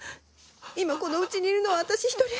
今このうちにいるのは私１人。